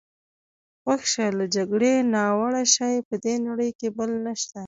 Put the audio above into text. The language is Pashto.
غوږ شه، له جګړې ناوړه شی په دې نړۍ کې بل نشته.